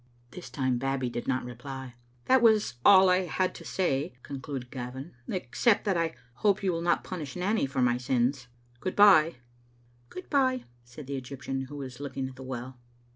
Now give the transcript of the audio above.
This time Babbie did not reply. "That was all I had to say," concluded Gavin, "ex cept that I hope you will not punish Nanny for my sins. Good bye." "Good bye," said the Egyptian, who was looking at the well.